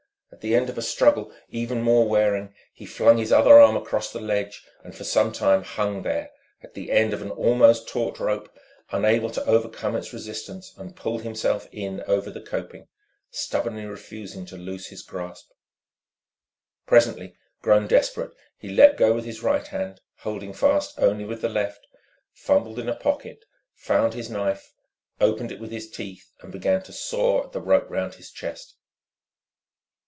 At the end of a struggle even more wearing he flung his other arm across the ledge, and for some time hung there, at the end of an almost taut rope, unable to overcome its resistance and pull himself in over the coping, stubbornly refusing to loose his grasp. Presently, grown desperate, he let go with his right hand, holding fast only with the left, fumbled in a pocket, found his knife, opened it with his teeth, and began, to saw at the rope round his chest.